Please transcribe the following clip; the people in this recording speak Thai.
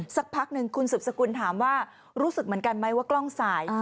สักพักหนึ่งคุณสืบสกุลถามว่ารู้สึกเหมือนกันไหมว่ากล้องสาย